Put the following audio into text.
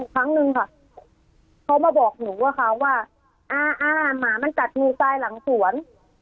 ครั้งนึงค่ะเขามาบอกหนูอะค่ะว่าอ่าหมามันกัดงูทรายหลังสวน